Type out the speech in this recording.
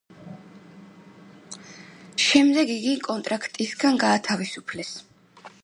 შემდეგ იგი კონტრაქტისგან გაათავისუფლეს.